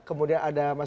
kemudian ada mas